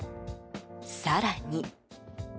更に。